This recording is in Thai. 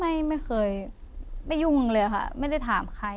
ไม่เคยไม่ยุ่งเลยค่ะไม่ได้ถามใคร